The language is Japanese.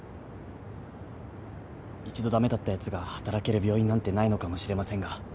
一度駄目だったやつが働ける病院なんてないのかもしれませんが。